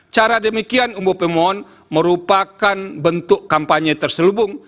cara demikian umbu pemohon merupakan bentuk kampanye terselubung